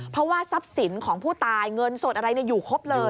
เพราะว่าทรัพย์สินของผู้ตายเงินสดอะไรอยู่ครบเลย